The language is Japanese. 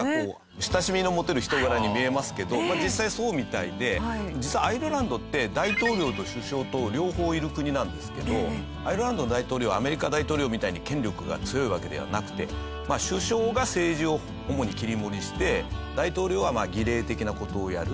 親しみの持てる人柄に見えますけど実際そうみたいで実はアイルランドって大統領と首相と両方いる国なんですけどアイルランドの大統領はアメリカ大統領みたいに権力が強いわけではなくて首相が政治を主に切り盛りして大統領は儀礼的な事をやる。